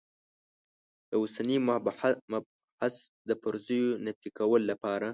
د اوسني مبحث د فرضیو نفي کولو لپاره.